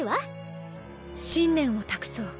信念を託そう。